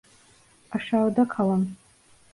Aşağıda kalın!